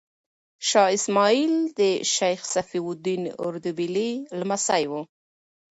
شاه اسماعیل د شیخ صفي الدین اردبیلي لمسی و.